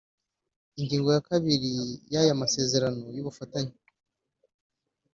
Ingingo ya kabiri y’aya masezerano y’ubufatanye